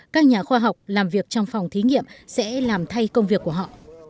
các nhà khoa học làm việc trong phòng thí nghiệm sẽ làm thay công việc của họ